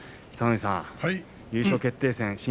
北の富士さん、優勝決定